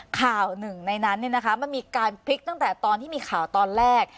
ข่าวหนึ่งในนั้นมันมีการพลิกตั้งแต่ตอนที่มีข่าวตอนแรก